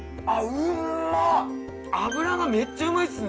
脂がめっちゃうまいっすね。